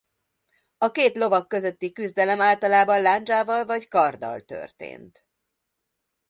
A két lovag közötti küzdelem általában lándzsával vagy karddal történt.